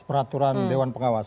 peraturan dewan pengawas